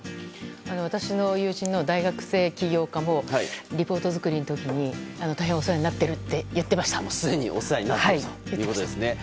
私の友人の大学生起業家もレポート作りの時に大変お世話になっているとすでにお世話になっているということですね。